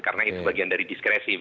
karena itu bagian dari diskresi